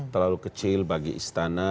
terlalu kecil bagi istana